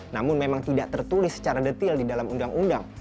namun memang tidak tertulis secara detil di dalam undang undang